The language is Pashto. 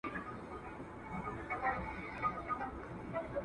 پر ملا دي کړوپ کړم زمانه خوار سې !.